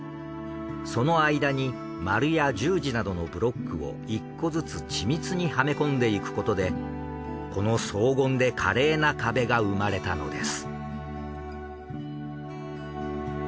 その間に丸や十字などのブロックを１個ずつ緻密にはめ込んでいくことでこの荘厳で華麗な壁が生まれたのです。